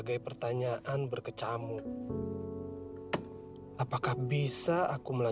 kini terasa tidak istimewa